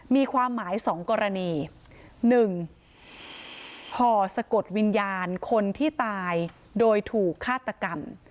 มีความหมาย๒กรณี๑ห่อสะกดวิญญาณคนที่ตายโดยถูกฆาตกรรม